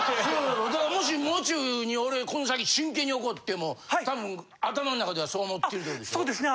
もしもう中に俺この先真剣に怒っても多分頭の中ではそう思ってるっていうことでしょ。